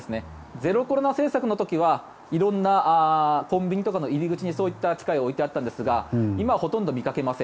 ゼロコロナ政策の時は色んなコンビニとかの入り口にそういった機械を置いてあったんですが今、ほとんど見かけません。